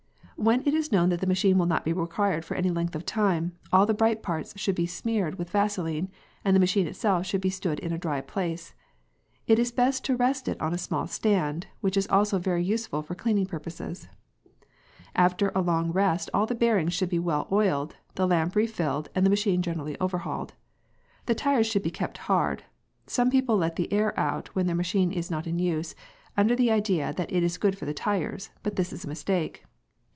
Whenit is known that the machine will not be required for any length of time, all the bright parts should be smeared with Vaseline, and the machine itself should be stood in a dry place. It is best to rest it on a small stand, which is also very useful for cleaning purposes. After a long rest all the bearings should be well oiled, the lamp refilled, and the machine generally overhauled. The tyres should be kept hard. Some people let the air out when their machine is not in use, under the idea that it is good for the tyres, but this is a mistake.